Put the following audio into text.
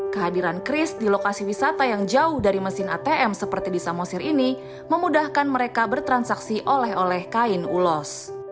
kehadiran cris di lokasi wisata yang jauh dari mesin atm seperti di samosir ini memudahkan mereka bertransaksi oleh oleh kain ulos